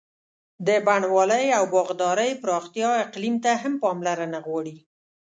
د بڼوالۍ او باغدارۍ پراختیا اقلیم ته هم پاملرنه غواړي.